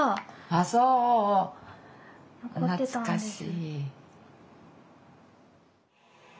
ああそう懐かしい。